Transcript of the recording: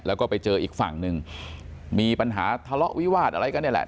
แล้วก็ไปเจออีกฝั่งหนึ่งมีปัญหาทะเลาะวิวาสอะไรกันนี่แหละ